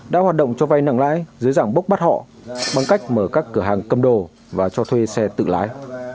đã hoạt động cho vay nặng lãi dưới dạng bốc bắt họ bằng cách mở các cửa hàng cầm đồ và cho thuê xe tự lái